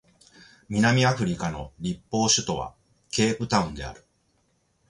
南アフリカの立法首都はケープタウンである